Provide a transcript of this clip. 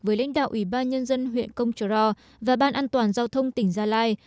với lãnh đạo ủy ban nhân dân huyện công trờ ro và ban an toàn giao thông tỉnh gia lai